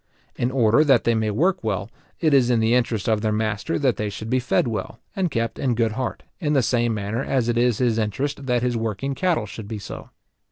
In order that they may work well, it is the interest of their master that they should be fed well, and kept in good heart, in the same manner as it is his interest that his working cattle should be so.